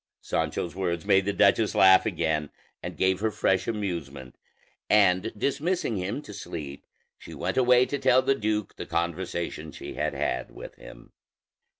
Sancho's words made the duchess laugh again, and gave her fresh amusement, and dismissing him to sleep she went away to tell the duke the conversation she had had with him.